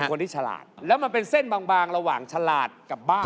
คนที่ฉลาดแล้วมันเป็นเส้นบางระหว่างฉลาดกับบ้า